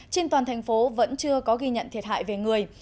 trên toàn thành phố vẫn chưa có ghi nhận thiệt hại về người